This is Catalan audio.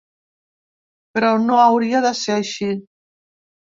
Però no hauria de ser així.